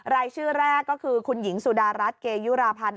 รายชื่อแรกก็คือคุณหญิงสุดารัฐเกยุราพันธ์